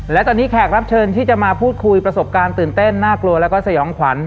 และตอนนี้แขกรับเชิญที่จะมาพูดคุยประสบการณ์ตื่นเต้นน่ากลัวแล้วก็สยองขวัญ